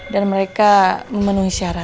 dan mereka memenuhi syarat